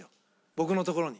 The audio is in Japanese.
僕のところに。